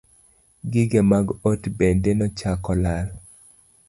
Gige mag ot bende nochako lal.